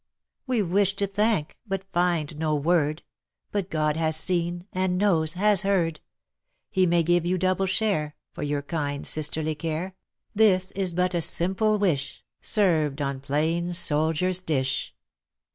We wish to thank, but find no word. But God has seen, and knows, has heard. He may give you double share For your kind sisterly care ; This is but a simple wish. Served on plain soldiers' dish.